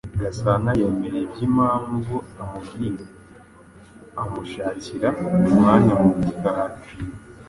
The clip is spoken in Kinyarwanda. Gasani yemera ibyo Impamvu amubwiye. Amushakira umwanya mu gikari,